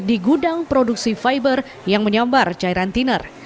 di gudang produksi fiber yang menyambar cairan tiner